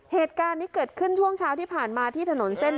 เหตุการณ์นี้เกิดขึ้นช่วงเช้าที่ผ่านมาที่ถนนเส้น